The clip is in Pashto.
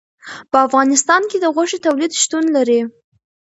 په افغانستان کې د غوښې تولید شتون لري.